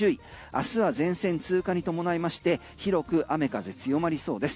明日は前線通過に伴いまして広く雨風強まりそうです。